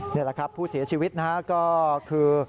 นี่แหละครับผู้เสียชีวิตนะฮะก็คือ